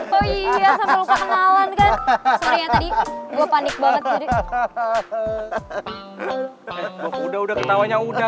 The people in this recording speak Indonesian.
oh iya sampai lupa kenalan kan tadi gue panik banget udah udah ketawanya udah udah